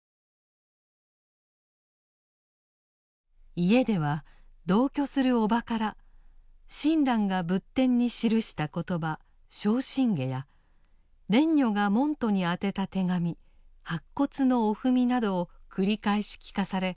家では同居する伯母から親鸞が仏典に記した言葉「正信偈」や蓮如が門徒に宛てた手紙「白骨の御文」などを繰り返し聞かされ